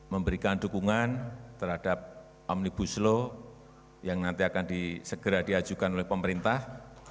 memberikan dukungan terhadap omnibus law yang nanti akan segera diajukan oleh pemerintah